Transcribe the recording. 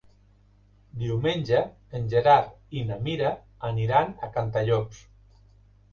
Diumenge en Gerard i na Mira aniran a Cantallops.